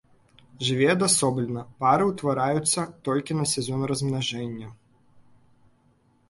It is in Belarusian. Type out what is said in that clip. Жыве адасоблена, пары ўтвараюцца толькі на сезон размнажэння.